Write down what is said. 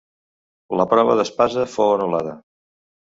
La prova d'espasa fou anul·lada.